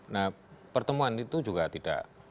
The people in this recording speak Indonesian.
nah pertemuan itu juga tidak